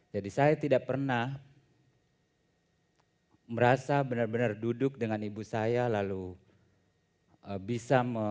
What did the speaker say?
jadi saya tidak pernah merasa benar benar duduk dengan ibu saya lalu bisa menceritakan sesuatu di depannya